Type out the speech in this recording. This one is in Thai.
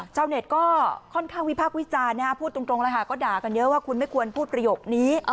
ชาวเน็ตก็ค่อนข้างวิพากษ์วิจารณ์พูดตรงแล้วค่ะก็ด่ากันเยอะว่าคุณไม่ควรพูดประโยคนี้